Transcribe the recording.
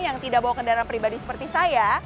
yang tidak bawa kendaraan pribadi seperti saya